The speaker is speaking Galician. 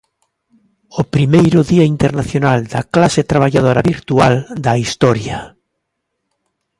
O primeiro Día Internacional da Clase Traballadora virtual da historia.